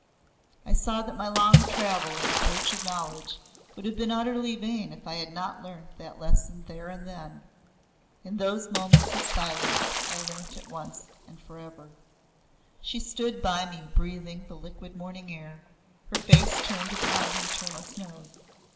I saw that my long travel in search of knowledge would have been utterly vain if I had not learnt that lesson there and then. In those moments of silence I learnt it once and for ever. She stood by me breathing the liquid morning air, her face turned upon the eternal snows.